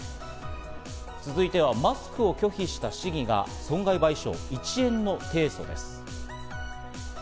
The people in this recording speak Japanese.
続いてはマスクを拒否した市議が損害賠償１円の提訴です。